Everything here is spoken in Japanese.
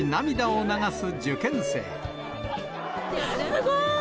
すごい！